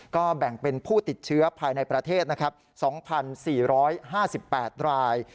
ก็แบ่งเป็นผู้ติดเชื้อภายในประเทศนะครับ๒๔๕๘ราย